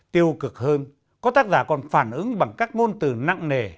tiêu cực hơn có tác giả còn phản ứng bằng các ngôn từ nặng nề